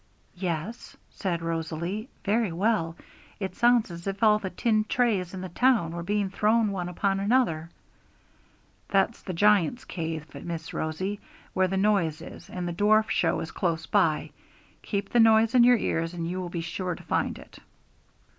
'Yes,' said Rosalie, 'very well; it sounds as if all the tin trays in the town were being thrown one upon another!' 'That's the Giant's Cave, Miss Rosie, where that noise is, and the Dwarf Show is close by. Keep that noise in your ears, and you will be sure to find it.'